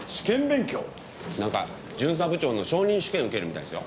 なんか巡査部長の昇任試験受けるみたいですよ。